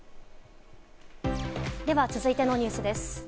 では続いてのニュースです。